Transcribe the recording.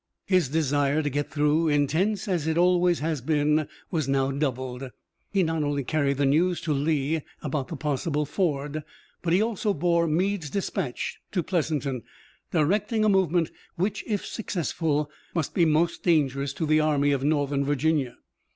His desire to get through, intense as it always had been, was now doubled. He not only carried the news to Lee about the possible ford, but he also bore Meade's dispatch to Pleasanton, directing a movement which, if successful, must be most dangerous to the Army of Northern Virginia.